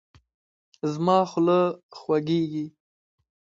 زما خوله خوږیږي